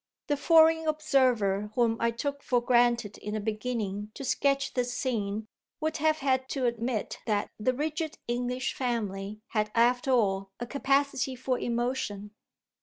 The foreign observer whom I took for granted in beginning to sketch this scene would have had to admit that the rigid English family had after all a capacity for emotion.